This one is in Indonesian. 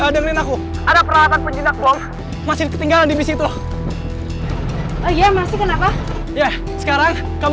dan aku mati sama kamu